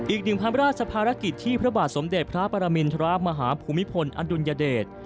อีกหนึ่งพระราชภารกิจที่พระบาทสมเด็จพระปรมินทรมาฮาภูมิพลอดุลยเดช